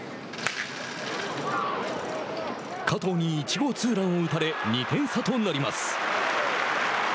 加藤に１号ツーランを打たれ２点差となります。